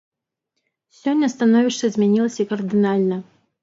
Сёння становішча змянілася кардынальна.